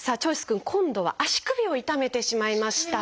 君今度は足首を痛めてしまいました。